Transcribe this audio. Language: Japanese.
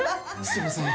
すいません。